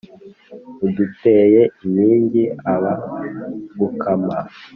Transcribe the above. uduteye inkingi abagukama